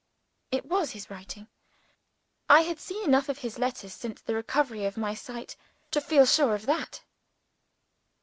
It was his writing. I had seen enough of his letters, since the recovery of my sight, to feel sure of that.